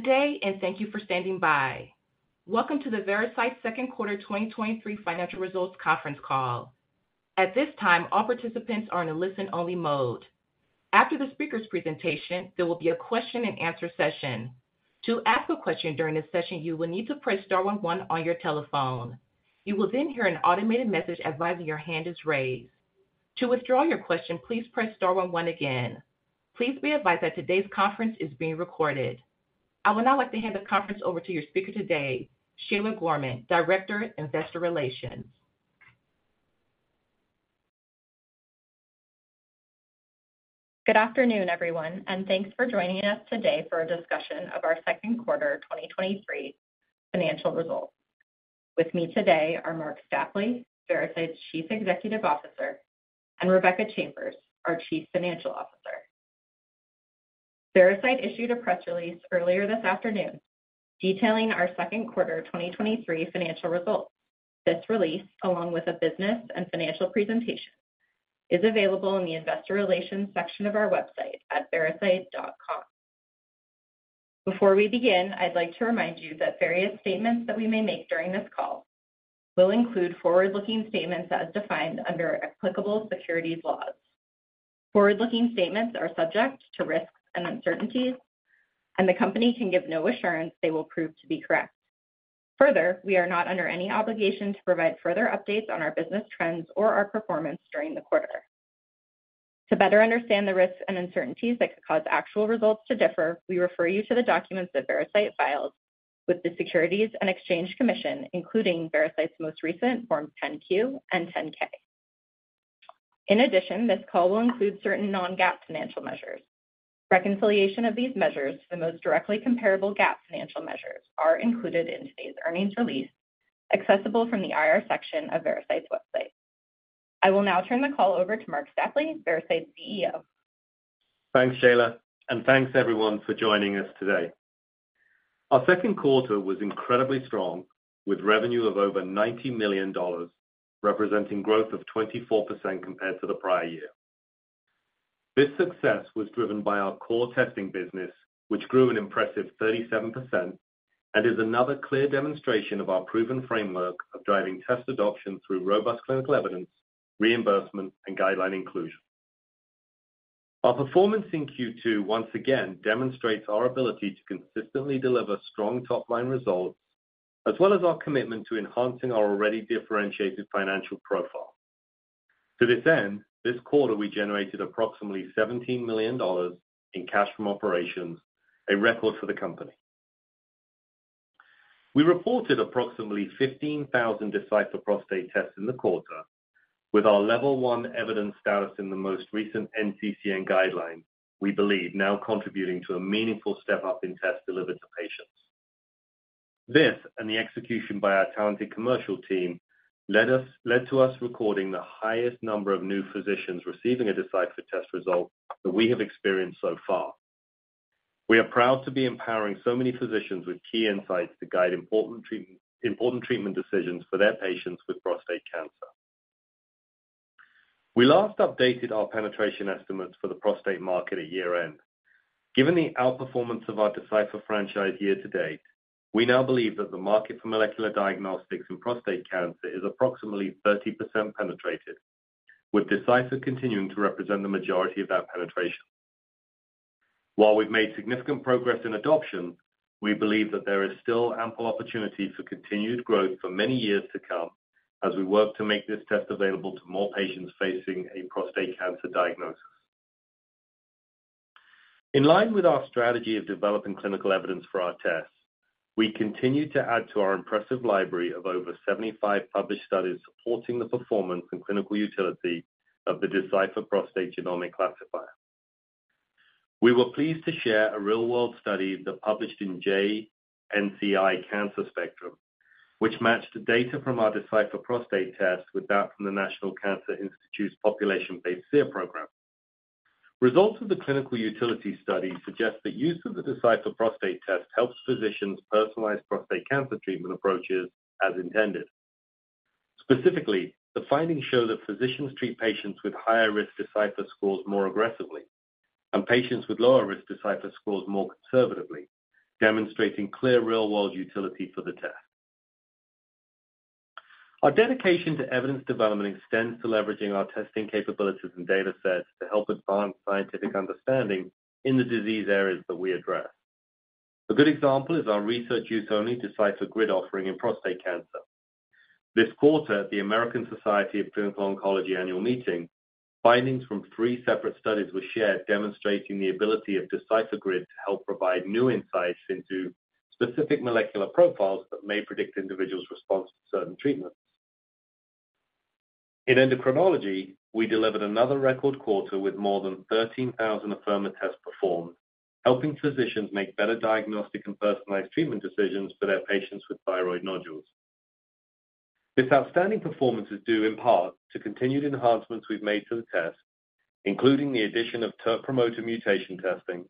Good day, and thank you for standing by. Welcome to the Veracyte Second Quarter 2023 financial results conference call. At this time, all participants are in a listen-only mode. After the speaker's presentation, there will be a question-and-answer session. To ask a question during this session, you will need to press star one on your telephone. You will then hear an automated message advising your hand is raised. To withdraw your question, please press star one one again. Please be advised that today's conference is being recorded. I would now like to hand the conference over to your speaker today, Shayla Gorman, Director, Investor Relations. Good afternoon, everyone, thanks for joining us today for a discussion of our second quarter 2023 financial results. With me today are Marc Stapley, Veracyte's Chief Executive Officer, and Rebecca Chambers, our Chief Financial Officer. Veracyte issued a press release earlier this afternoon detailing our second quarter 2023 financial results. This release, along with a business and financial presentation, is available in the investor relations section of our website at veracyte.com. Before we begin, I'd like to remind you that various statements that we may make during this call will include forward-looking statements as defined under applicable securities laws. Forward-looking statements are subject to risks and uncertainties, and the company can give no assurance they will prove to be correct. Further, we are not under any obligation to provide further updates on our business trends or our performance during the quarter. To better understand the risks and uncertainties that could cause actual results to differ, we refer you to the documents that Veracyte files with the Securities and Exchange Commission, including Veracyte's most recent Forms 10-Q and 10-K. In addition, this call will include certain non-GAAP financial measures. Reconciliation of these measures to the most directly comparable GAAP financial measures are included in today's earnings release, accessible from the IR section of Veracyte's website. I will now turn the call over to Marc Stapley, Veracyte's CEO. Thanks, Shayla, thanks everyone for joining us today. Our second quarter was incredibly strong, with revenue of over $90 million, representing growth of 24% compared to the prior year. This success was driven by our core testing business, which grew an impressive 37% and is another clear demonstration of our proven framework of driving test adoption through robust clinical evidence, reimbursement, and guideline inclusion. Our performance in Q2 once again demonstrates our ability to consistently deliver strong top-line results, as well as our commitment to enhancing our already differentiated financial profile. To this end, this quarter, we generated approximately $17 million in cash from operations, a record for the company. We reported approximately 15,000 Decipher Prostate tests in the quarter, with our level 1 evidence status in the most recent NCCN guideline, we believe, now contributing to a meaningful step up in tests delivered to patients. This, and the execution by our talented commercial team, led to us recording the highest number of new physicians receiving a Decipher test result that we have experienced so far. We are proud to be empowering so many physicians with key insights to guide important treatment decisions for their patients with prostate cancer. We last updated our penetration estimates for the prostate market at year-end. Given the outperformance of our Decipher franchise year to date, we now believe that the market for molecular diagnostics in prostate cancer is approximately 30% penetrated, with Decipher continuing to represent the majority of that penetration. While we've made significant progress in adoption, we believe that there is still ample opportunity for continued growth for many years to come as we work to make this test available to more patients facing a prostate cancer diagnosis. In line with our strategy of developing clinical evidence for our tests, we continue to add to our impressive library of over 75 published studies supporting the performance and clinical utility of the Decipher Prostate Genomic Classifier. We were pleased to share a real-world study that published in JNCI Cancer Spectrum, which matched the data from our Decipher Prostate test with that from the National Cancer Institute's population-based SEER program. Results of the clinical utility study suggest that use of the Decipher Prostate test helps physicians personalize prostate cancer treatment approaches as intended. Specifically, the findings show that physicians treat patients with higher risk Decipher scores more aggressively, and patients with lower risk Decipher scores more conservatively, demonstrating clear real-world utility for the test. Our dedication to evidence development extends to leveraging our testing capabilities and datasets to help advance scientific understanding in the disease areas that we address. A good example is our research use only Decipher GRID offering in prostate cancer. This quarter, at the American Society of Clinical Oncology annual meeting, findings from three separate studies were shared, demonstrating the ability of Decipher GRID to help provide new insights into specific molecular profiles that may predict individuals' response to certain treatments. In endocrinology, we delivered another record quarter with more than 13,000 Afirma tests performed, helping physicians make better diagnostic and personalized treatment decisions for their patients with thyroid nodules. This outstanding performance is due in part to continued enhancements we've made to the test, including the addition of TERT promoter mutation testing,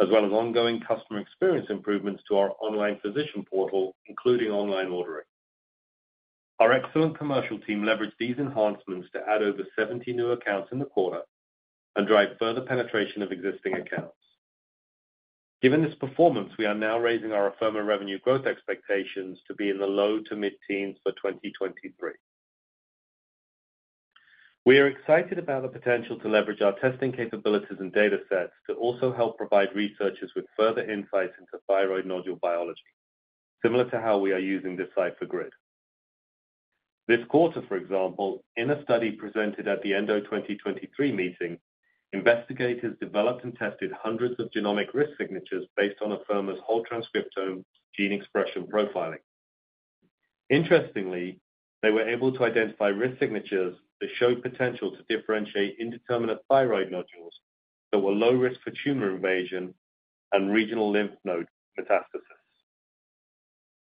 as well as ongoing customer experience improvements to our online physician portal, including online ordering. Our excellent commercial team leveraged these enhancements to add over 70 new accounts in the quarter, and drive further penetration of existing accounts. Given this performance, we are now raising our Afirma revenue growth expectations to be in the low to mid-teens for 2023. We are excited about the potential to leverage our testing capabilities and datasets to also help provide researchers with further insights into thyroid nodule biology, similar to how we are using Decipher GRID. This quarter, for example, in a study presented at the ENDO 2023 meeting, investigators developed and tested hundreds of genomic risk signatures based on Afirma's whole transcriptome gene expression profiling. Interestingly, they were able to identify risk signatures that showed potential to differentiate indeterminate thyroid nodules that were low risk for tumor invasion and regional lymph node metastasis.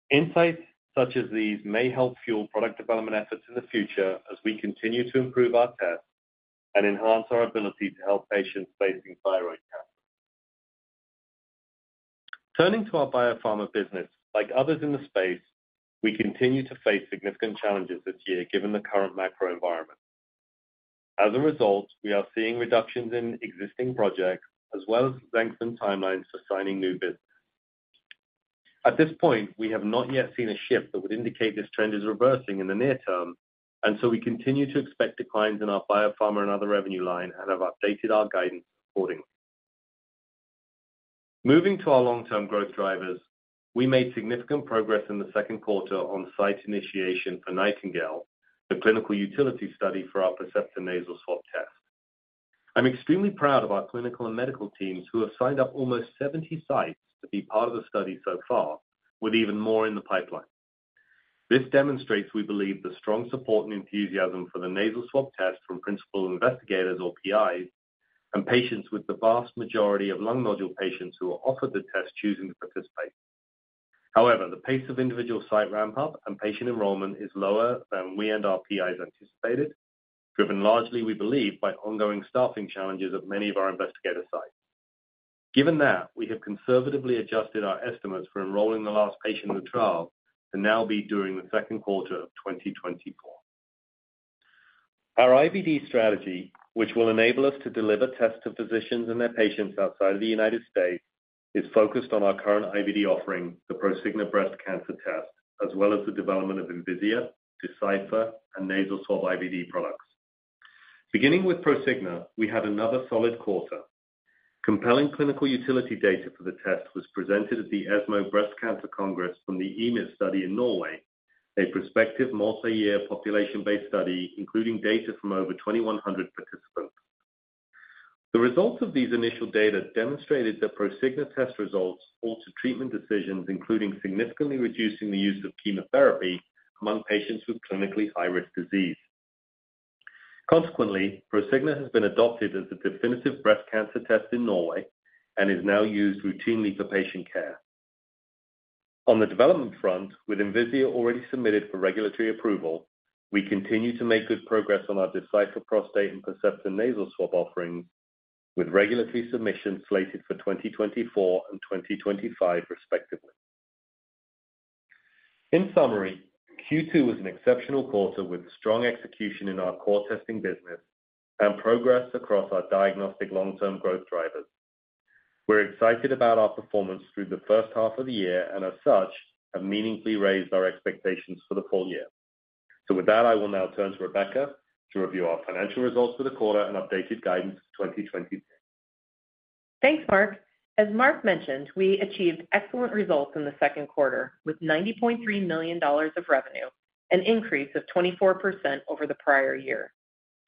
Insights such as these may help fuel product development efforts in the future as we continue to improve our tests and enhance our ability to help patients facing thyroid cancer. Turning to our biopharma business, like others in the space, we continue to face significant challenges this year given the current macro environment. As a result, we are seeing reductions in existing projects, as well as lengthened timelines for signing new business. At this point, we have not yet seen a shift that would indicate this trend is reversing in the near term, and so we continue to expect declines in our biopharma and other revenue line and have updated our guidance accordingly. Moving to our long-term growth drivers, we made significant progress in the second quarter on site initiation for NIGHTINGALE, the clinical utility study for our Percepta Nasal Swab test. I'm extremely proud of our clinical and medical teams, who have signed up almost 70 sites to be part of the study so far, with even more in the pipeline. This demonstrates, we believe, the strong support and enthusiasm for the nasal swab test from principal investigators or PIs, and patients with the vast majority of lung nodule patients who are offered the test, choosing to participate. However, the pace of individual site ramp-up and patient enrollment is lower than we and our PIs anticipated, driven largely, we believe, by ongoing staffing challenges at many of our investigator sites. Given that, we have conservatively adjusted our estimates for enrolling the last patient in the trial to now be during the second quarter of 2024. Our IVD strategy, which will enable us to deliver tests to physicians and their patients outside of the United States, is focused on our current IVD offering, the Prosigna breast cancer test, as well as the development of Envisia, Decipher, and nasal swab IVD products. Beginning with Prosigna, we had another solid quarter. Compelling clinical utility data for the test was presented at the ESMO Breast Cancer Congress from the EMIT study in Norway, a prospective multi-year population-based study, including data from over 2,100 participants. The results of these initial data demonstrated that Prosigna test results alter treatment decisions, including significantly reducing the use of chemotherapy among patients with clinically high-risk disease. Consequently, Prosigna has been adopted as the definitive breast cancer test in Norway and is now used routinely for patient care. On the development front, with Envisia already submitted for regulatory approval, we continue to make good progress on our Decipher Prostate and Percepta nasal swab offerings, with regulatory submissions slated for 2024 and 2025, respectively. In summary, Q2 was an exceptional quarter with strong execution in our core testing business and progress across our diagnostic long-term growth drivers. We're excited about our performance through the first half of the year and as such, have meaningfully raised our expectations for the full year. With that, I will now turn to Rebecca to review our financial results for the quarter and updated guidance for 2023. Thanks, Marc. As Marc mentioned, we achieved excellent results in the second quarter with $90.3 million of revenue, an increase of 24% over the prior year.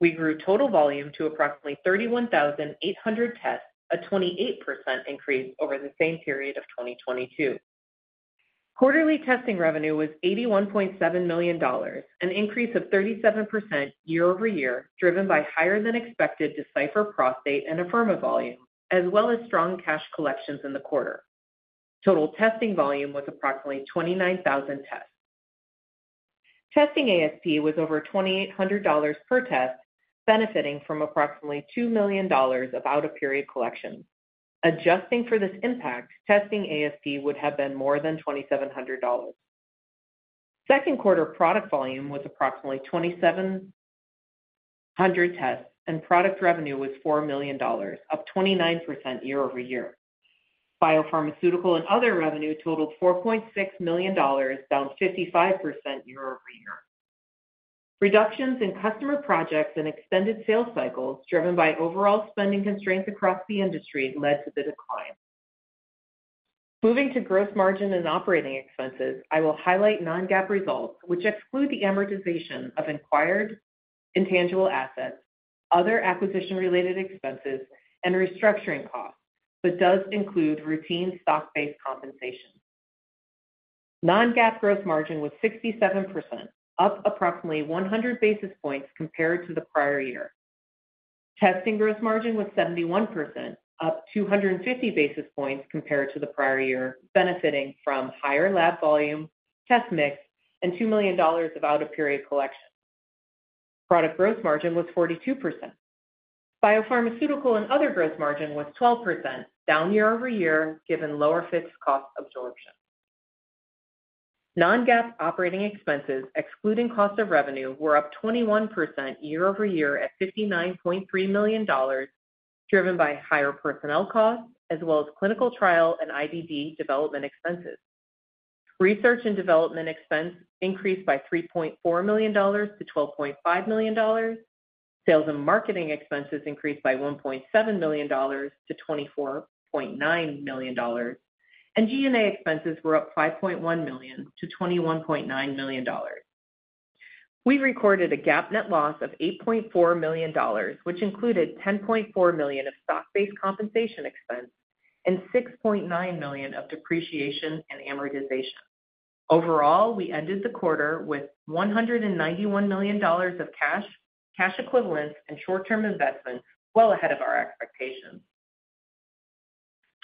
We grew total volume to approximately 31,800 tests, a 28% increase over the same period of 2022. Quarterly testing revenue was $81.7 million, an increase of 37% year-over-year, driven by higher than expected Decipher Prostate and Afirma volume, as well as strong cash collections in the quarter. Total testing volume was approximately 29,000 tests. Testing ASP was over $2,800 per test, benefiting from approximately $2 million of out-of-period collections. Adjusting for this impact, testing ASP would have been more than $2,700. Second quarter product volume was approximately 2,700 tests, and product revenue was $4 million, up 29% year-over-year. Biopharmaceutical and other revenue totaled $4.6 million, down 55% year-over-year. Reductions in customer projects and extended sales cycles, driven by overall spending constraints across the industry, led to the decline. Moving to gross margin and operating expenses, I will highlight non-GAAP results, which exclude the amortization of acquired intangible assets, other acquisition-related expenses, and restructuring costs, but does include routine stock-based compensation. Non-GAAP gross margin was 67%, up approximately 100 basis points compared to the prior year. Testing gross margin was 71%, up 250 basis points compared to the prior year, benefiting from higher lab volume, test mix, and $2 million of out-of-period collections. Product growth margin was 42%. Biopharmaceutical and other growth margin was 12%, down year-over-year, given lower fixed cost absorption. Non-GAAP operating expenses, excluding cost of revenue, were up 21% year-over-year at $59.3 million, driven by higher personnel costs, as well as clinical trial and IVD development expenses. Research and development expense increased by $3.4 million-$12.5 million. Sales and marketing expenses increased by $1.7 million-$24.9 million. G&A expenses were up $5.1 million - $21.9 million. We recorded a GAAP net loss of $8.4 million, which included $10.4 million of stock-based compensation expense and $6.9 million of depreciation and amortization. Overall, we ended the quarter with $191 million of cash, cash equivalents, and short-term investments, well ahead of our expectations.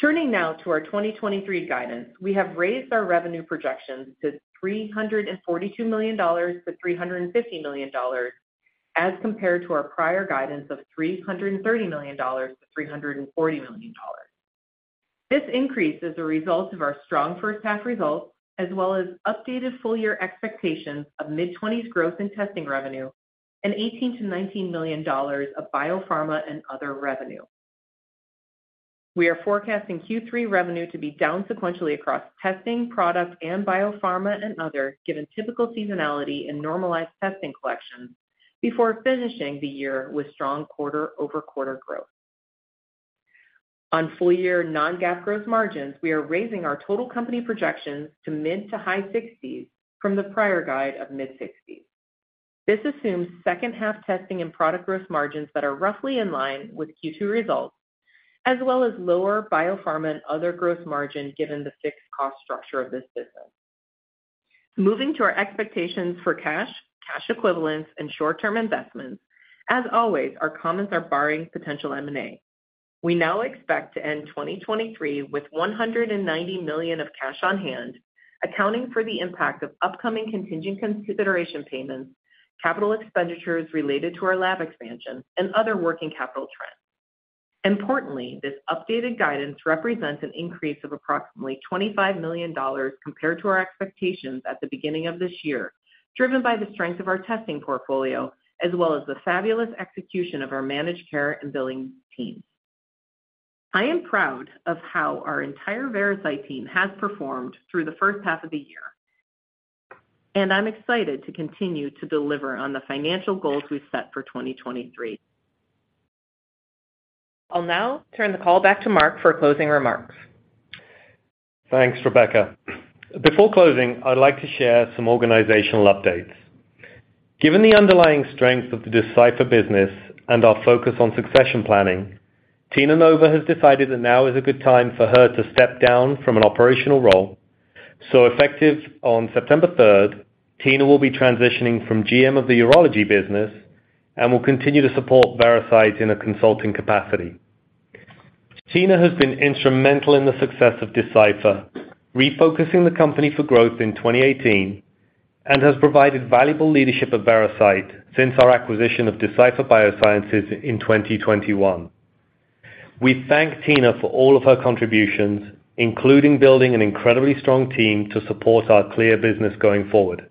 Turning now to our 2023 guidance, we have raised our revenue projections to $342 million-$350 million, as compared to our prior guidance of $330 million-$340 million. This increase is a result of our strong first half results, as well as updated full-year expectations of mid-20s growth in testing revenue and $18 million-$19 million of biopharma and other revenue. We are forecasting Q3 revenue to be down sequentially across testing, product, and biopharma and other, given typical seasonality and normalized testing collections, before finishing the year with strong quarter-over-quarter growth. On full-year non-GAAP growth margins, we are raising our total company projections to mid- to high-60s from the prior guide of mid-60s. This assumes second half testing and product growth margins that are roughly in line with Q2 results, as well as lower biopharma and other growth margin, given the fixed cost structure of this business. Moving to our expectations for cash, cash equivalents, and short-term investments, as always, our comments are barring potential M&A. We now expect to end 2023 with $190 million of cash on hand, accounting for the impact of upcoming contingent consideration payments, capital expenditures related to our lab expansion, and other working capital trends. Importantly, this updated guidance represents an increase of approximately $25 million compared to our expectations at the beginning of this year, driven by the strength of our testing portfolio, as well as the fabulous execution of our managed care and billing team. I am proud of how our entire Veracyte team has performed through the first half of the year. I'm excited to continue to deliver on the financial goals we've set for 2023. I'll now turn the call back to Marc for closing remarks. Thanks, Rebecca. Before closing, I'd like to share some organizational updates. Given the underlying strength of the Decipher business and our focus on succession planning, Tina Nova has decided that now is a good time for her to step down from an operational role. Effective on September 3rd, Tina will be transitioning from GM of the urology business and will continue to support Veracyte in a consulting capacity. Tina has been instrumental in the success of Decipher, refocusing the company for growth in 2018, and has provided valuable leadership at Veracyte since our acquisition of Decipher Biosciences in 2021. We thank Tina for all of her contributions, including building an incredibly strong team to support our clear business going forward.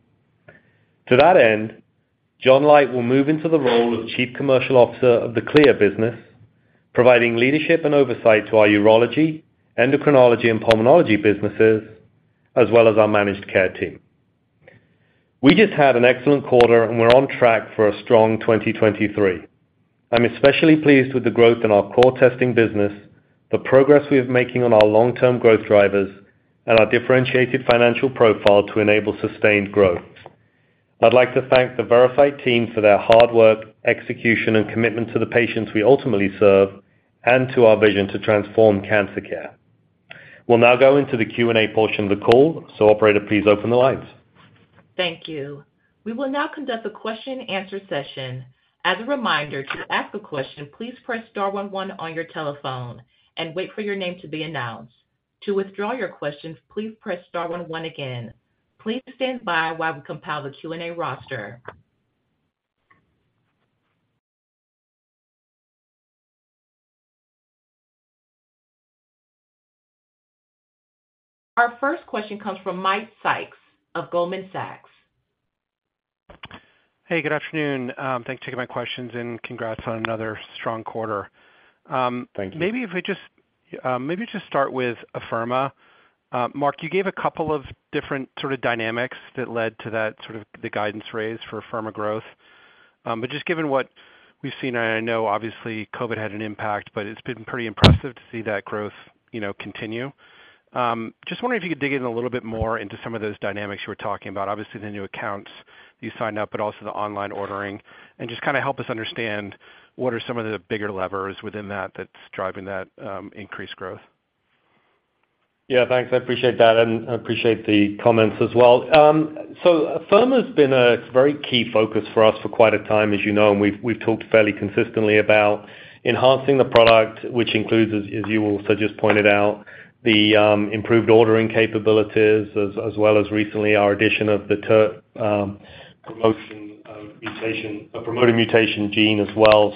To that end, John Leite will move into the role of Chief Commercial Officer of the CLIA business, providing leadership and oversight to our urology, endocrinology, and pulmonology businesses, as well as our managed care team. We just had an excellent quarter, and we're on track for a strong 2023. I'm especially pleased with the growth in our core testing business, the progress we are making on our long-term growth drivers, and our differentiated financial profile to enable sustained growth. I'd like to thank the Veracyte team for their hard work, execution, and commitment to the patients we ultimately serve and to our vision to transform cancer care. We'll now go into the Q&A portion of the call. Operator, please open the lines. Thank you. We will now conduct a question and answer session. As a reminder, to ask a question, please press star one one on your telephone and wait for your name to be announced. To withdraw your questions, please press star one one again. Please stand by while we compile the Q&A roster. Our first question comes from Matthew Sykes of Goldman Sachs. Hey, good afternoon. Thanks for taking my questions, and congrats on another strong quarter. Thank you. Maybe if we just... Maybe just start with Afirma. Marc, you gave a couple of different sort of dynamics that led to that, sort of the guidance raise for Afirma growth. Just given what we've seen, and I know obviously COVID had an impact, but it's been pretty impressive to see that growth, you know, continue. Just wondering if you could dig in a little bit more into some of those dynamics you were talking about. Obviously, the new accounts you signed up, but also the online ordering, and just kinda help us understand what are some of the bigger levers within that, that's driving that increased growth. Yeah, thanks. I appreciate that, and I appreciate the comments as well. Afirma has been a very key focus for us for quite a time, as you know, and we've, we've talked fairly consistently about enhancing the product, which includes, as, as you also just pointed out, the improved ordering capabilities, as well as recently our addition of the TERT promoter mutation, a promoting mutation gene as well.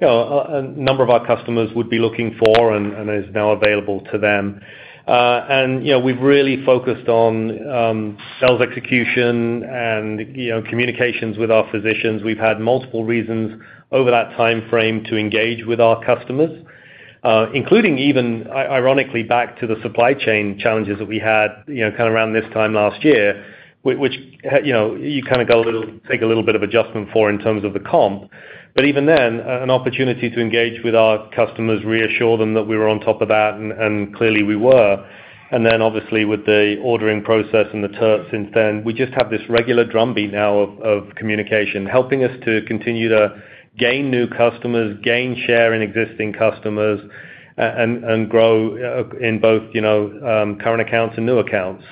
You know, a number of our customers would be looking for and is now available to them. You know, we've really focused on sales execution and, you know, communications with our physicians. We've had multiple reasons over that time frame to engage with our customers, including even ironically, back to the supply chain challenges that we had, you know, kind of around this time last year, which, you know, you kind of take a little bit of adjustment for in terms of the comp. Even then, an opportunity to engage with our customers, reassure them that we were on top of that, and clearly, we were. Then obviously, with the ordering process and the turf since then, we just have this regular drumbeat now of communication, helping us to continue to gain new customers, gain share in existing customers, and grow in both, you know, current accounts and new accounts.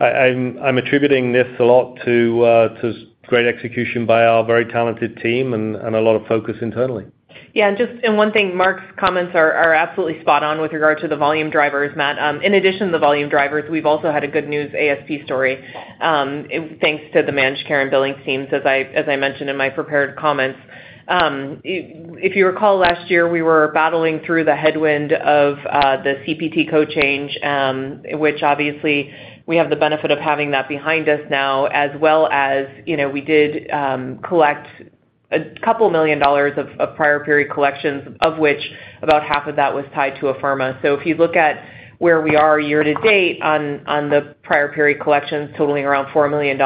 I, I'm, I'm attributing this a lot to, to great execution by our very talented team and, and a lot of focus internally. Yeah, just, and one thing, Marc's comments are absolutely spot on with regard to the volume drivers, Matt. In addition to the volume drivers, we've also had a good news ASP story, thanks to the managed care and billing teams, as I mentioned in my prepared comments. If you recall, last year, we were battling through the headwind of the CPT code change, which obviously we have the benefit of having that behind us now, as well as, you know, we did collect $2 million of prior period collections, of which about $1 million was tied to Afirma. If you look at where we are year to date on, on the prior period collections totaling around $4 million,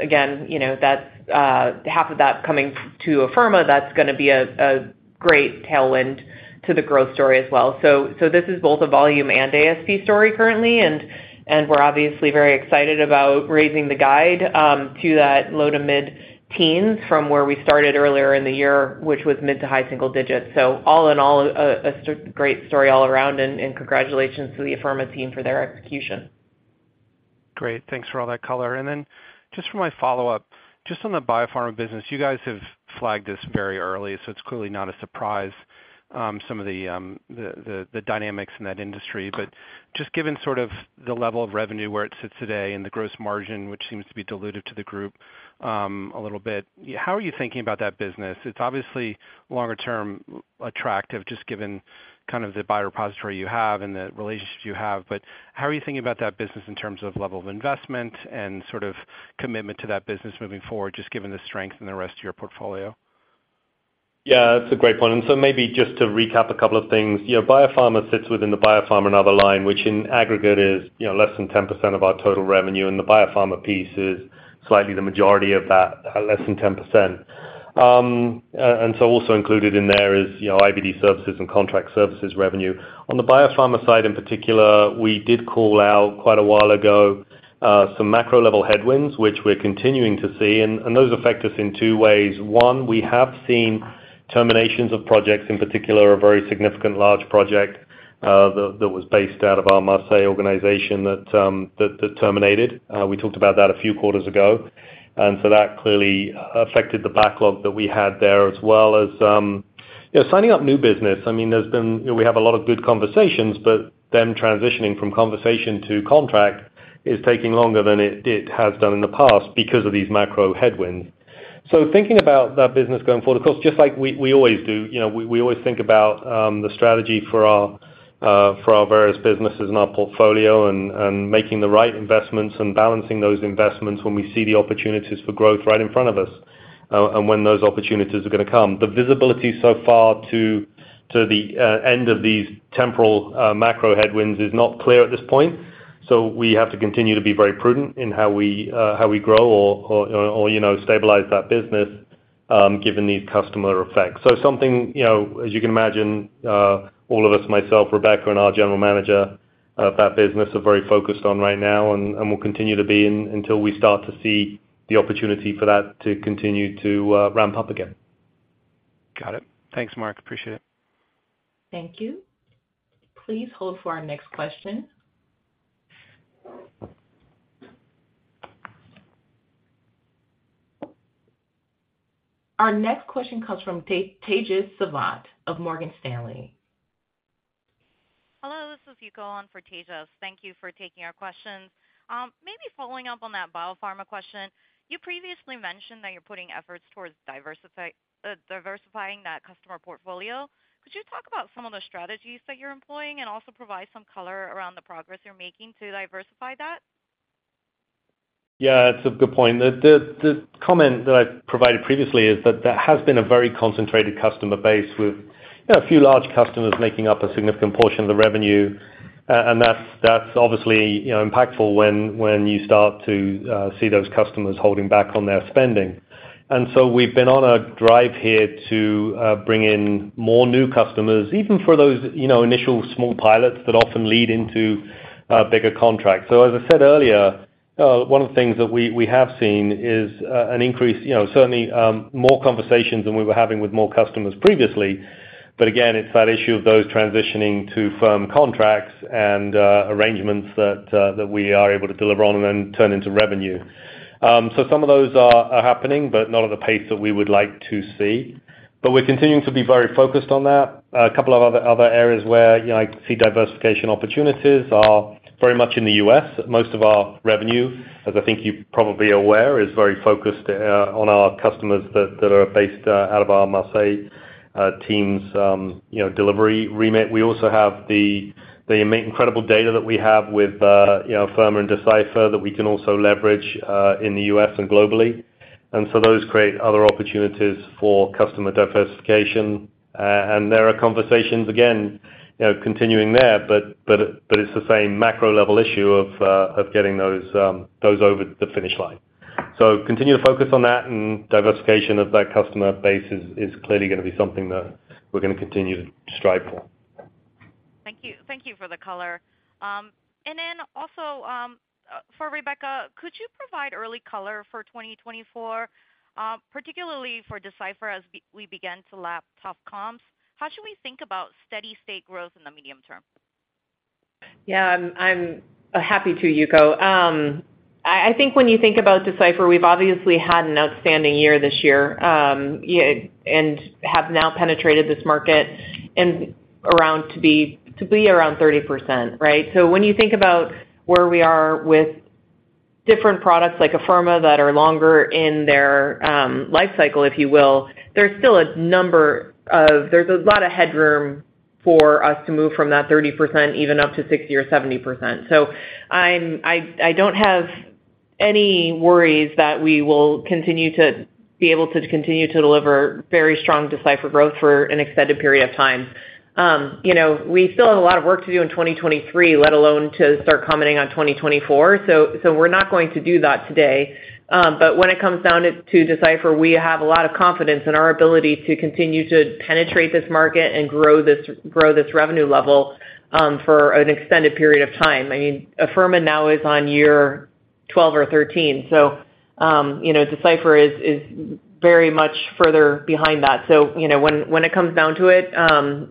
again, you know, that's half of that coming to Afirma, that's gonna be a great tailwind to the growth story as well. This is both a volume and ASP story currently, and we're obviously very excited about raising the guide to that low to mid-teens from where we started earlier in the year, which was mid to high single digits. All in all, a great story all around, and congratulations to the Afirma team for their execution. Great. Thanks for all that color. Then just for my follow-up, just on the biopharma business, you guys have flagged this very early, so it's clearly not a surprise, some of the dynamics in that industry. Just given sort of the level of revenue, where it sits today, and the gross margin, which seems to be diluted to the group, a little bit, how are you thinking about that business? It's obviously longer term attractive, just given kind of the bio-repository you have and the relationships you have, but how are you thinking about that business in terms of level of investment and sort of commitment to that business moving forward, just given the strength in the rest of your portfolio? Yeah, that's a great point. Maybe just to recap a couple of things. You know, biopharma sits within the biopharma and other line, which in aggregate is, you know, less than 10% of our total revenue, and the biopharma piece is slightly the majority of that, less than 10%. Also included in there is, you know, IVD services and contract services revenue. On the biopharma side, in particular, we did call out quite a while ago, some macro-level headwinds, which we're continuing to see, and those affect us in two ways. One, we have seen terminations of projects, in particular, a very significant large project, that, that was based out of our Marseille organization that, that terminated. We talked about that a few quarters ago, and so that clearly affected the backlog that we had there, as well as, you know, signing up new business. I mean, there's been. You know, we have a lot of good conversations, but them transitioning from conversation to contract is taking longer than it, it has done in the past because of these macro headwinds. Thinking about that business going forward, of course, just like we, we always do, you know, we, we always think about, the strategy for our, for our various businesses and our portfolio, and, and making the right investments and balancing those investments when we see the opportunities for growth right in front of us, and when those opportunities are gonna come. The visibility so far to, to the end of these temporal macro headwinds is not clear at this point, so we have to continue to be very prudent in how we how we grow or, or, or, you know, stabilize that business, given these customer effects. Something, you know, as you can imagine, all of us, myself, Rebecca, and our general manager of that business, are very focused on right now and, and will continue to be until we start to see the opportunity for that to continue to ramp up again. Got it. Thanks, Marc. Appreciate it. Thank you. Please hold for our next question. Our next question comes from Tejas Sawant of Morgan Stanley. Hello, this is Yuko on for Tejas. Thank you for taking our questions. Maybe following up on that biopharma question, you previously mentioned that you're putting efforts towards diversifying that customer portfolio. Could you talk about some of the strategies that you're employing and also provide some color around the progress you're making to diversify that? Yeah, that's a good point. The comment that I provided previously is that there has been a very concentrated customer base with, you know, a few large customers making up a significant portion of the revenue. That's obviously, you know, impactful when, when you start to see those customers holding back on their spending. We've been on a drive here to bring in more new customers, even for those, you know, initial small pilots that often lead into bigger contracts. As I said earlier, one of the things that we, we have seen is an increase, you know, certainly, more conversations than we were having with more customers previously. Again, it's that issue of those transitioning to firm contracts and arrangements that we are able to deliver on and then turn into revenue. Some of those are happening, but not at the pace that we would like to see. We're continuing to be very focused on that. A couple of other areas where, you know, I see diversification opportunities are very much in the U.S. Most of our revenue, as I think you're probably aware, is very focused on our customers that are based out of our Marseille teams, you know, delivery remit. We also have the incredible data that we have with, you know, Afirma and Decipher that we can also leverage in the U.S. and globally. Those create other opportunities for customer diversification. There are conversations again, you know, continuing there, but, but it, but it's the same macro level issue of getting those, those over the finish line. Continue to focus on that, and diversification of that customer base is, is clearly going to be something that we're going to continue to strive for. Thank you. Thank you for the color. Then also, for Rebecca, could you provide early color for 2024, particularly for Decipher, as we begin to lap tough comps? How should we think about steady state growth in the medium term? Yeah, I'm happy to, Yuko. I think when you think about Decipher, we've obviously had an outstanding year this year, yeah, and have now penetrated this market and around to be, to be around 30%, right? When you think about where we are with different products like Afirma, that are longer in their life cycle, if you will, there's still a number of there's a lot of headroom for us to move from that 30%, even up to 60% or 70%. I don't have any worries that we will continue to be able to continue to deliver very strong Decipher growth for an extended period of time. You know, we still have a lot of work to do in 2023, let alone to start commenting on 2024. We're not going to do that today, but when it comes down to Decipher, we have a lot of confidence in our ability to continue to penetrate this market and grow this, grow this revenue level for an extended period of time. I mean, Afirma now is on year 12 or 13, so, you know, Decipher is very much further behind that. You know, when it comes down to it,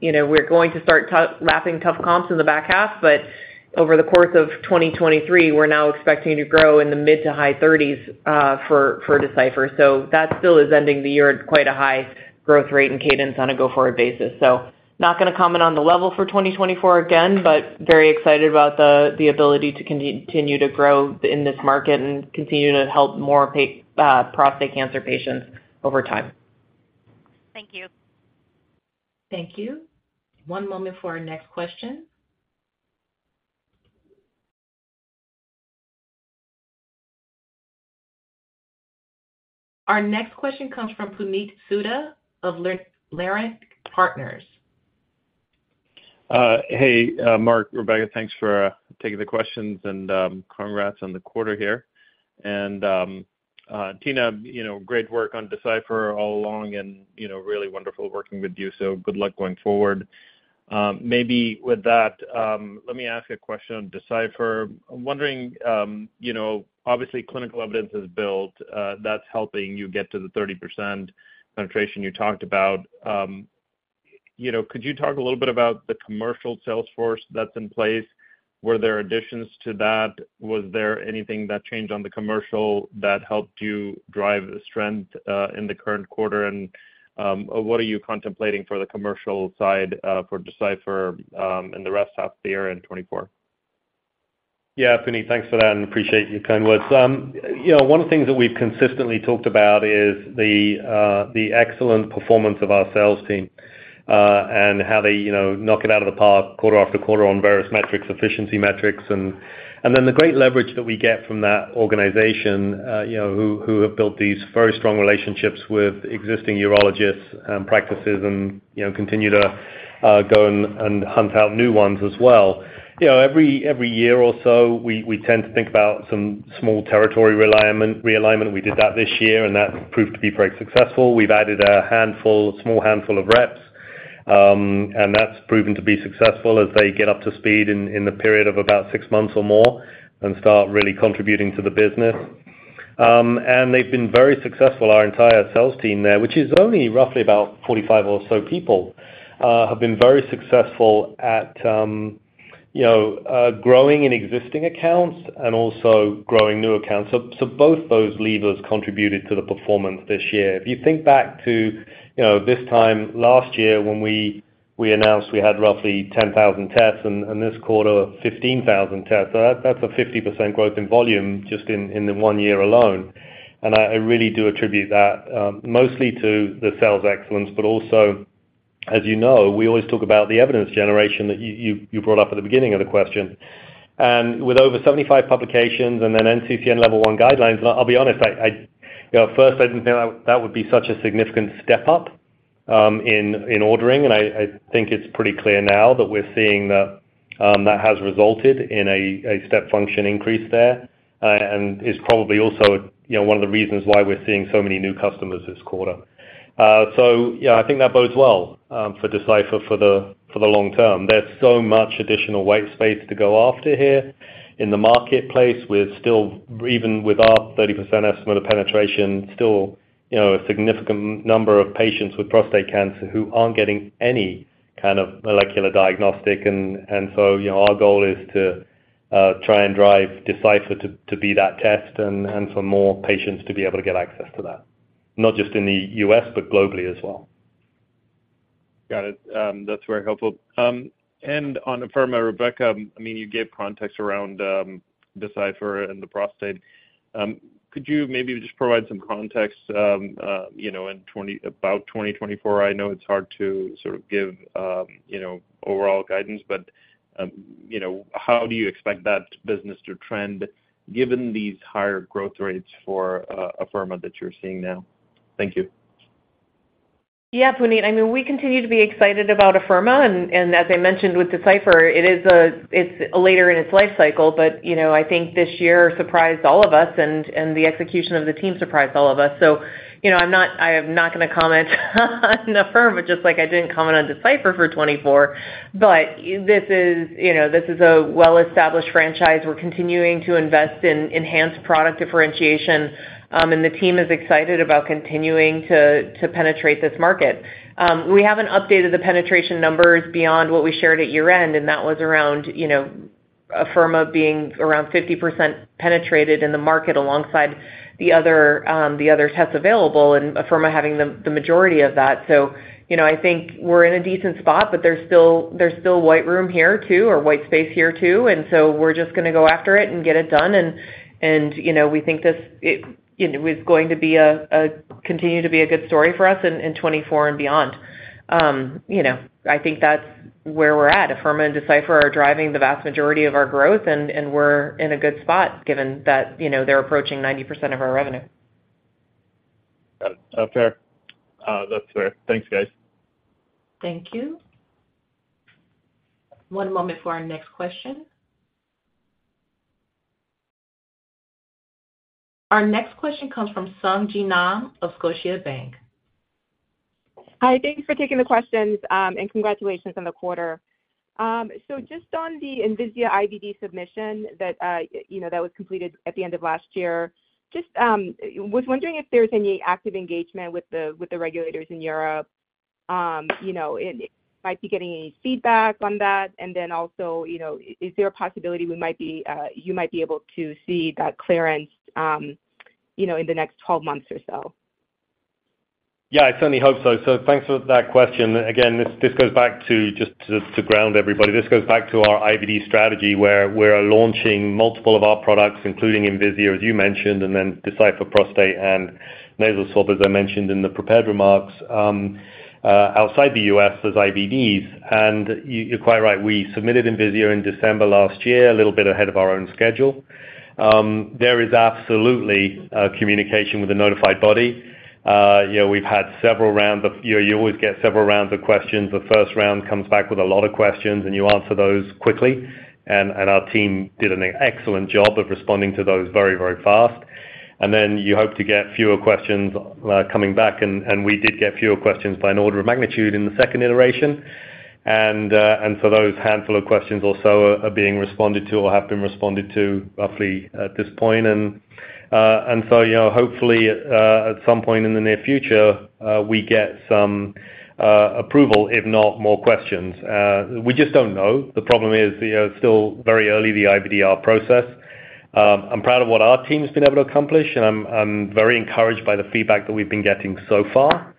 you know, we're going to start wrapping tough comps in the back half, but over the course of 2023, we're now expecting to grow in the mid to high 30s for Decipher. That still is ending the year at quite a high growth rate and cadence on a go-forward basis. Not going to comment on the level for 2024 again, but very excited about the ability to continue to grow in this market and continue to help more prostate cancer patients over time. Thank you. Thank you. One moment for our next question. Our next question comes from Puneet Souda of Leerink Partners. Marc, Rebecca, thanks for taking the questions, and congrats on the quarter here. Tina, you know, great work on Decipher all along and, you know, really wonderful working with you. Good luck going forward. Maybe with that, let me ask a question on Decipher. I'm wondering, you know, obviously, clinical evidence is built that's helping you get to the 30% penetration you talked about. You know, could you talk a little bit about the commercial sales force that's in place? Were there additions to that? Was there anything that changed on the commercial that helped you drive strength in the current quarter? What are you contemplating for the commercial side for Decipher in the rest of the year in 2024? Yeah, Puneet, thanks for that, and appreciate your kind words. You know, one of the things that we've consistently talked about is the excellent performance of our sales team, and how they, you know, knock it out of the park quarter after quarter on various metrics, efficiency metrics, and, and then the great leverage that we get from that organization, you know, who, who have built these very strong relationships with existing urologists and practices and, you know, continue to go and, and hunt out new ones as well. You know, every, every year or so, we, we tend to think about some small territory realignment, realignment. We did that this year, and that proved to be very successful. We've added a handful, a small handful of reps, and that's proven to be successful as they get up to speed in, in a period of about six months or more and start really contributing to the business. And they've been very successful. Our entire sales team there, which is only roughly about 45 or so people, have been very successful at, you know, growing in existing accounts and also growing new accounts. Both those levers contributed to the performance this year. If you think back to, you know, this time last year when we, we announced we had roughly 10,000 tests, and, this quarter, 15,000 tests, so that- that's a 50% growth in volume just in, in the 1 year alone. I really do attribute that mostly to the sales excellence, but also, as you know, we always talk about the evidence generation that you, you, you brought up at the beginning of the question. With over 75 publications and then NCCN level 1 guidelines, I'll be honest, You know, at first I didn't think that would be such a significant step up in ordering, I think it's pretty clear now that we're seeing that that has resulted in a step function increase there, and is probably also, you know, one of the reasons why we're seeing so many new customers this quarter. Yeah, I think that bodes well for Decipher for the, for the long term. There's so much additional white space to go after here in the marketplace with still, even with our 30% estimate of penetration, still, you know, a significant number of patients with prostate cancer who aren't getting any kind of molecular diagnostic. You know, our goal is to try and drive Decipher to, to be that test and, and for more patients to be able to get access to that, not just in the U.S., but globally as well. Got it. That's very helpful. On Afirma, Rebecca, I mean, you gave context around, Decipher and the prostate. Could you maybe just provide some context, you know, about 2024? I know it's hard to sort of give, you know, overall guidance, but, you know, how do you expect that business to trend given these higher growth rates for Afirma that you're seeing now? Thank you. Yeah, Puneet. I mean, we continue to be excited about Afirma, and as I mentioned with Decipher, it's later in its life cycle, you know, I think this year surprised all of us, and the execution of the team surprised all of us. You know, I am not gonna comment on Afirma, just like I didn't comment on Decipher for 2024. This is, you know, this is a well-established franchise. We're continuing to invest in enhanced product differentiation, and the team is excited about continuing to penetrate this market. We haven't updated the penetration numbers beyond what we shared at year-end, that was around, you know, Afirma being around 50% penetrated in the market alongside the other, the other tests available, and Afirma having the majority of that. You know, I think we're in a decent spot, but there's still, there's still white room here, too, or white space here, too, and so we're just gonna go after it and get it done. You know, we think this, it, you know, is going to be a continue to be a good story for us in 2024 and beyond. You know, I think that's where we're at. Afirma and Decipher are driving the vast majority of our growth, and, and we're in a good spot, given that, you know, they're approaching 90% of our revenue. Got it. fair. that's fair. Thanks, guys. Thank you. One moment for our next question. Our next question comes from Sung Ji Nam of Scotiabank. Hi, thank you for taking the questions, and congratulations on the quarter. So just on the Envisia IVD submission that, you know, that was completed at the end of last year, just was wondering if there's any active engagement with the, with the regulators in Europe. You know, if, if I'd be getting any feedback on that. Also, you know, is there a possibility we might be, you might be able to see that clearance, you know, in the next 12 months or so? Yeah, I certainly hope so. Thanks for that question. Again, this, this goes back to, just to, to ground everybody. This goes back to our IVD strategy, where we're launching multiple of our products, including Envisia, as you mentioned, and then Decipher Prostate and nasal swab, as I mentioned in the prepared remarks, outside the U.S. as IVDs. You're quite right, we submitted Envisia in December last year, a little bit ahead of our own schedule. There is absolutely communication with the notified body. You know, you always get several rounds of questions. The first round comes back with a lot of questions, and you answer those quickly, and our team did an excellent job of responding to those very, very fast. You hope to get fewer questions coming back, and we did get fewer questions by an order of magnitude in the second iteration. Those handful of questions or so are being responded to or have been responded to roughly at this point. You know, hopefully, at some point in the near future, we get some approval, if not more questions. We just don't know. The problem is, you know, it's still very early, the IVDR process. I'm proud of what our team's been able to accomplish, and I'm very encouraged by the feedback that we've been getting so far.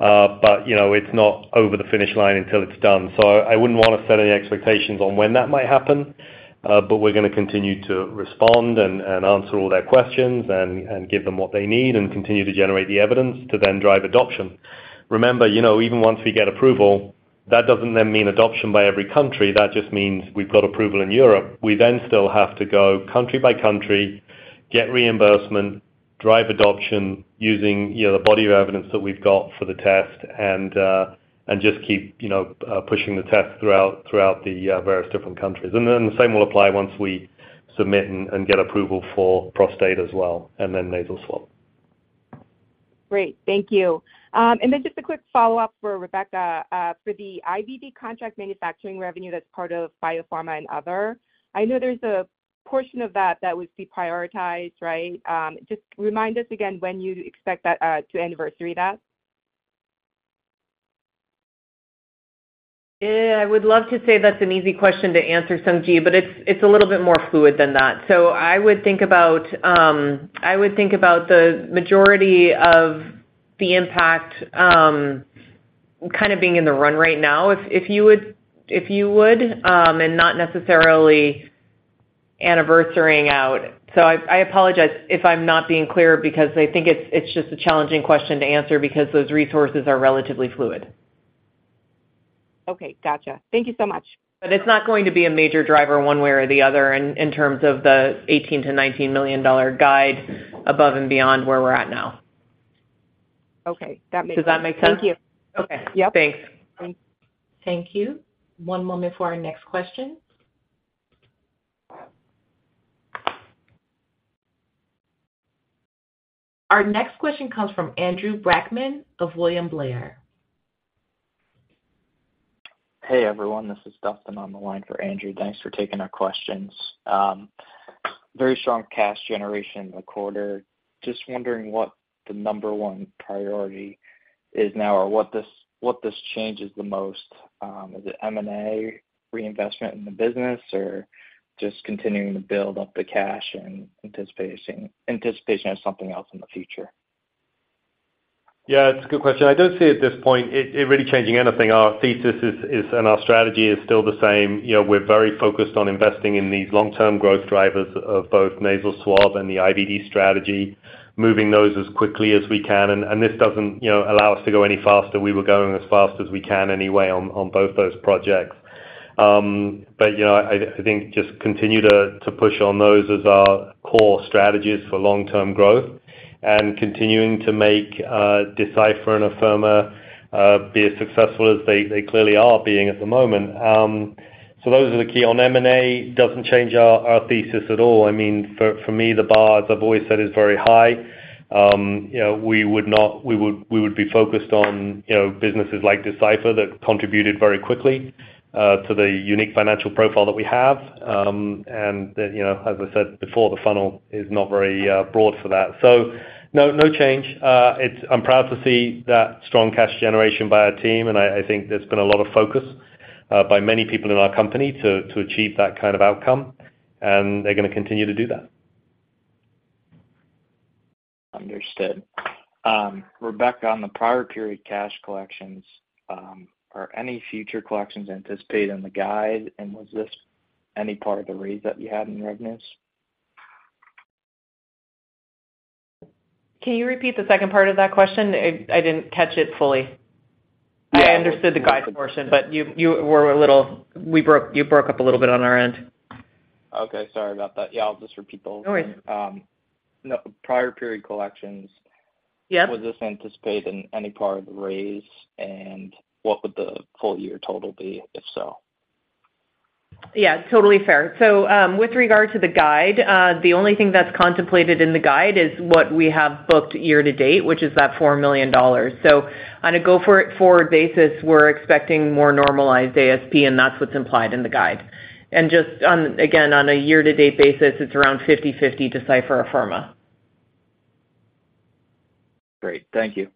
You know, it's not over the finish line until it's done. I wouldn't want to set any expectations on when that might happen, but we're gonna continue to respond and, and answer all their questions and, and give them what they need and continue to generate the evidence to then drive adoption. Remember, you know, even once we get approval, that doesn't then mean adoption by every country. That just means we've got approval in Europe. We then still have to go country by country, get reimbursement, drive adoption, using, you know, the body of evidence that we've got for the test, and, and just keep, you know, pushing the test throughout, throughout the various different countries. Then the same will apply once we submit and, and get approval for prostate as well, and then nasal swab. Great. Thank you. Then just a quick follow-up for Rebecca. For the IVD contract manufacturing revenue that's part of biopharma and other, I know there's a portion of that that would be prioritized, right? Just remind us again when you expect that to anniversary that? I would love to say that's an easy question to answer, Sung Ji, but it's, it's a little bit more fluid than that. I would think about the majority of the impact kind of being in the run right now, if you would, and not necessarily anniversarying out. I apologize if I'm not being clear, because I think it's, it's just a challenging question to answer because those resources are relatively fluid. Okay, gotcha. Thank you so much. It's not going to be a major driver one way or the other in, in terms of the $18 million-$19 million guide above and beyond where we're at now. Okay, that makes. Does that make sense? Thank you. Okay. Yep. Thanks. Thank you. One moment for our next question. Our next question comes from Andrew Brackmann of William Blair. Hey, everyone. This is Dustin on the line for Andrew. Thanks for taking our questions. Very strong cash generation in the quarter. Just wondering what the number one priority is now, or what this, what this changes the most, is it M&A reinvestment in the business, or just continuing to build up the cash and anticipating, anticipation of something else in the future? Yeah, it's a good question. I don't see at this point it, it really changing anything. Our thesis is, is, and our strategy is still the same. You know, we're very focused on investing in these long-term growth drivers of both nasal swab and the IVD strategy, moving those as quickly as we can. And this doesn't, you know, allow us to go any faster. We were going as fast as we can anyway on, on both those projects. You know, I, I think just continue to, to push on those as our core strategies for long-term growth and continuing to make Decipher and Afirma be as successful as they, they clearly are being at the moment. Those are the key. On M&A, doesn't change our, our thesis at all. I mean, for, for me, the bar, as I've always said, is very high. You know, we would be focused on, you know, businesses like Decipher that contributed very quickly to the unique financial profile that we have. That, you know, as I said before, the funnel is not very broad for that. No, no change. I'm proud to see that strong cash generation by our team, and I, I think there's been a lot of focus by many people in our company to, to achieve that kind of outcome, and they're gonna continue to do that. Understood. Rebecca, on the prior period cash collections, are any future collections anticipated in the guide, and was this any part of the raise that you had in revenues? Can you repeat the second part of that question? I, I didn't catch it fully. Yeah. I understood the guide portion, you, you were a little. You broke up a little bit on our end. Okay. Sorry about that. Yeah, I'll just repeat those. No worries. The prior period collections- Yep. Was this anticipated in any part of the raise? What would the full year total be, if so? Yeah, totally fair. With regard to the guide, the only thing that's contemplated in the guide is what we have booked year to date, which is that $4 million. On a forward basis, we're expecting more normalized ASP, and that's what's implied in the guide. Just on, again, on a year-to-date basis, it's around 50/50 Decipher, Afirma. Great, thank you.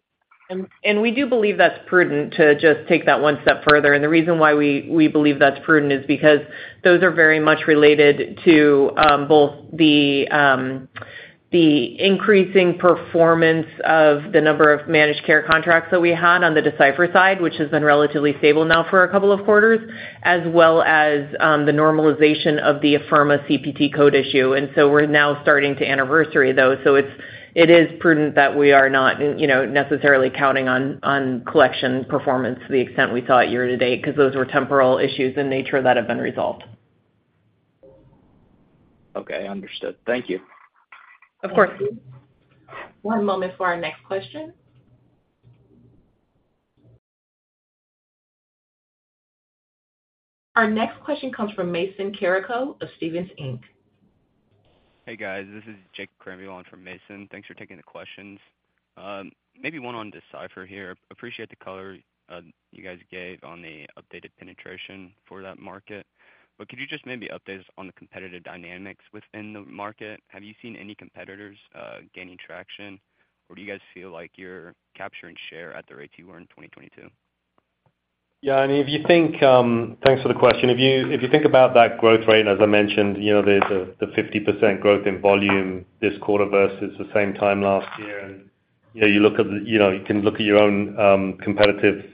We do believe that's prudent to just take that one step further. The reason why we, we believe that's prudent is because those are very much related to both the increasing performance of the number of managed care contracts that we had on the Decipher side, which has been relatively stable now for a couple of quarters, as well as the normalization of the Afirma CPT code issue. We're now starting to anniversary those. It is prudent that we are not, you know, necessarily counting on, on collection performance to the extent we saw it year to date, because those were temporal issues in nature that have been resolved. Okay, understood. Thank you. Of course. One moment for our next question. Our next question comes from Mason Carrico of Stephens Inc. Hey, guys, this is Jacob Krahenbuhl from Mason Carrico. Thanks for taking the questions. Maybe one on Decipher here. Appreciate the color, you guys gave on the updated penetration for that market. Could you just maybe update us on the competitive dynamics within the market? Have you seen any competitors, gaining traction, or do you guys feel like you're capturing share at the rates you were in 2022? Yeah, if you think, thanks for the question. If you think about that growth rate, as I mentioned, you know, there's the 50% growth in volume this quarter versus the same time last year. You know, you look at, you know, you can look at your own competitive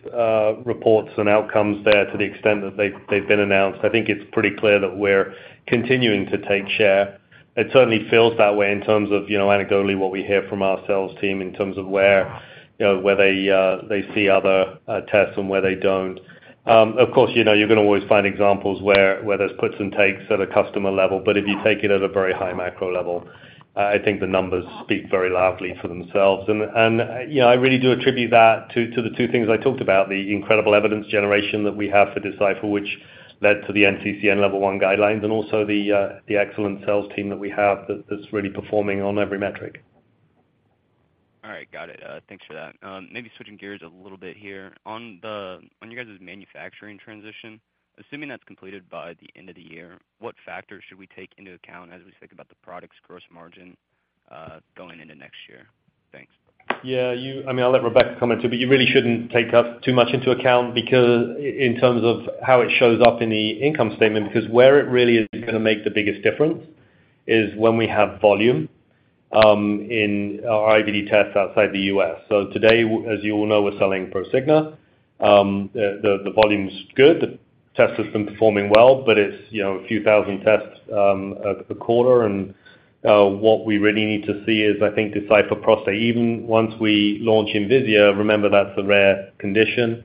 reports and outcomes there to the extent that they've been announced. I think it's pretty clear that we're continuing to take share. It certainly feels that way in terms of, you know, anecdotally, what we hear from our sales team in terms of where, you know, where they see other tests and where they don't. Of course, you know, you're going to always find examples where there's puts and takes at a customer level. If you take it at a very high macro level, I think the numbers speak very loudly for themselves. You know, I really do attribute that to, to the two things I talked about, the incredible evidence generation that we have for Decipher, which led to the NCCN level one guidelines, and also the excellent sales team that we have that's, that's really performing on every metric. All right. Got it. Thanks for that. Maybe switching gears a little bit here. On your guys' manufacturing transition, assuming that's completed by the end of the year, what factors should we take into account as we think about the product's gross margin, going into next year? Thanks. Yeah, you... I mean, I'll let Rebecca comment too, but you really shouldn't take that too much into account because in terms of how it shows up in the income statement, because where it really is gonna make the biggest difference is when we have volume in our IVD tests outside the U.S. Today, as you all know, we're selling Prosigna. The volume's good, the test has been performing well, but it's, you know, a few thousand tests a quarter. What we really need to see is, I think, Decipher Prostate. Even once we launch Envisia, remember, that's a rare condition.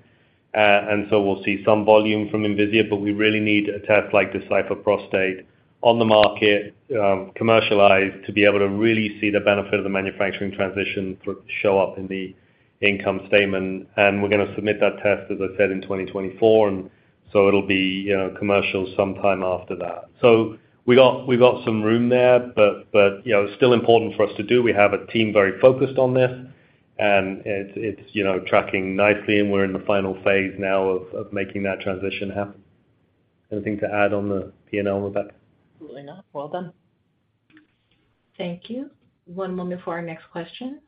So we'll see some volume from Envisia, but we really need a test like Decipher Prostate on the market, commercialized, to be able to really see the benefit of the manufacturing transition show up in the income statement. We're gonna submit that test, as I said, in 2024, and so it'll be, you know, commercial sometime after that. We got, we've got some room there, but, you know, it's still important for us to do. We have a team very focused on this, you know, tracking nicely, and we're in the final phase now of, of making that transition happen. Anything to add on the P&L, Rebecca? Absolutely not. Well done. Thank you. One moment for our next question.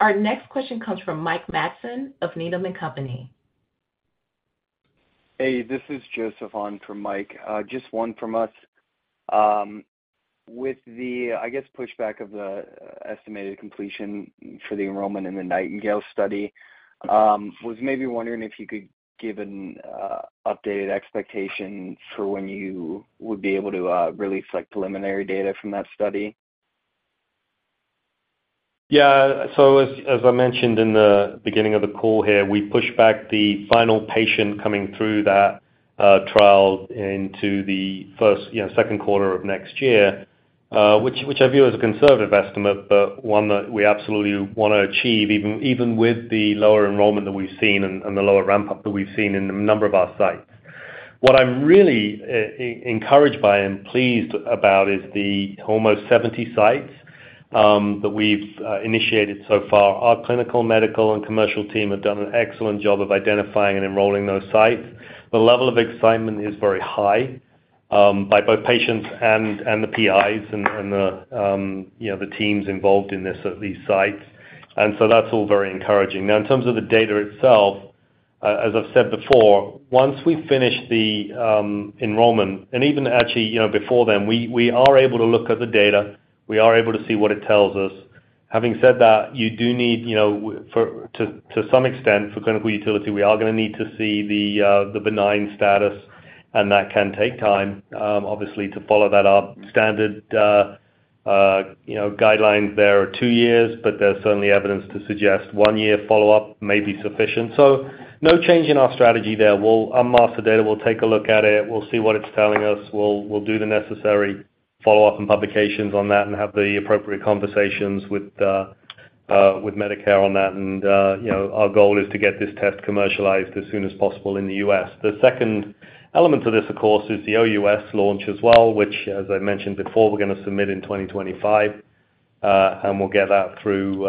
Our next question comes from Mike Matson of Needham & Company. Hey, this is Joseph on for Mike. Just one from us. With the, I guess, pushback of the estimated completion for the enrollment in the NIGHTINGALE study, was maybe wondering if you could give an updated expectation for when you would be able to release, like, preliminary data from that study. Yeah. So as I mentioned in the beginning of the call here, we pushed back the final patient coming through that trial into the first, you know, second quarter of next year, which I view as a conservative estimate, but one that we absolutely wanna achieve, even, even with the lower enrollment that we've seen and, and the lower ramp-up that we've seen in a number of our sites. What I'm really encouraged by and pleased about is the almost 70 sites that we've initiated so far. Our clinical, medical, and commercial team have done an excellent job of identifying and enrolling those sites. The level of excitement is very high, by both patients and, and the PIs and, and the, you know, the teams involved in this at these sites, and so that's all very encouraging. In terms of the data itself, as I've said before, once we finish the enrollment, and even actually, you know, before then, we are able to look at the data. We are able to see what it tells us. Having said that, you do need, you know, to some extent, for clinical utility, we are gonna need to see the benign status, and that can take time, obviously, to follow that up. Standard, you know, guidelines there are two years, but there's certainly evidence to suggest one year follow-up may be sufficient. No change in our strategy there. We'll unmask the data, we'll take a look at it, we'll see what it's telling us. We'll do the necessary follow-up and publications on that and have the appropriate conversations with Medicare on that. You know, our goal is to get this test commercialized as soon as possible in the U.S. The second element to this, of course, is the OUS launch as well, which, as I mentioned before, we're gonna submit in 2025. We'll get that through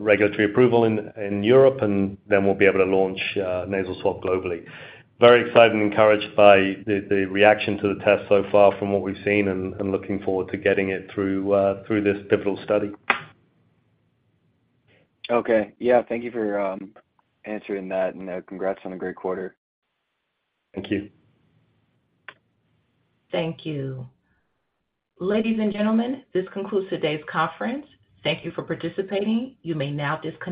regulatory approval in, in Europe, and then we'll be able to launch nasal swab globally. Very excited and encouraged by the, the reaction to the test so far from what we've seen and, and looking forward to getting it through this pivotal study. Okay. Yeah, thank you for answering that, and congrats on a great quarter. Thank you. Thank you. Ladies and gentlemen, this concludes today's conference. Thank you for participating. You may now disconnect.